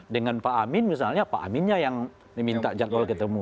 dengan pak amin misalnya pak aminnya yang diminta jadwal ketemu